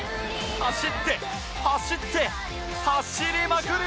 走って走って走りまくる！